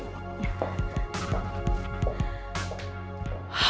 terima kasih pak alex